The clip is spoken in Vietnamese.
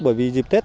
bởi vì dịp tết thì